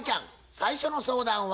最初の相談は？